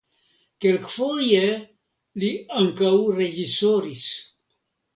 Kelkfoje li ankaŭ reĝisoris.